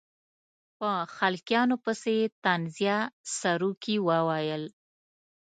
په خلقیاتو پسې یې طنزیه سروکي وویل.